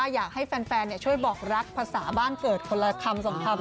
อยากให้แฟนช่วยบอกรักภาษาบ้านเกิดคนละคำสองคำ